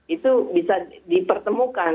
itu bisa dipertemukan